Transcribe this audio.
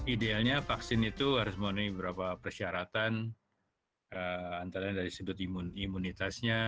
idealnya vaksin itu harus memenuhi beberapa persyaratan antara dari sudut imunitasnya